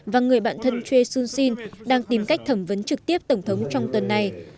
và người bạn thân choi soon sin đang tìm cách thẩm vấn trực tiếp tổng thống trong tuần này